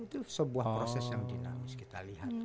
itu sebuah proses yang dinamis kita lihat